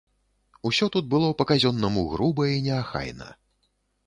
Усё тут было па-казённаму груба і неахайна.